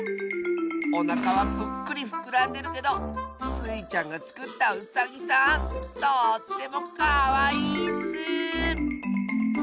おなかはプックリふくらんでるけどスイちゃんがつくったウサギさんとってもかわいいッス！